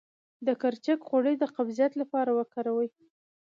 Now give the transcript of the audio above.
د کرچک غوړي د قبضیت لپاره وکاروئ